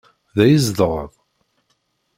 Da i tzedɣeḍ?